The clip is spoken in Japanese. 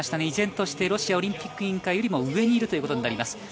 依然としてロシアオリンピック委員会よりも上にいるということになります。